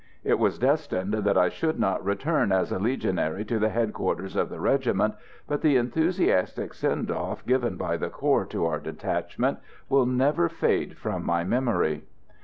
It was destined that I should not return as a Legionary to the headquarters of the regiment, but the enthusiastic send off given by the corps to our detachment will never fade from my memory.